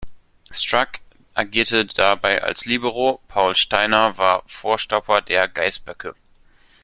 Strack agierte dabei als Libero, Paul Steiner war Vorstopper der "Geißböcke".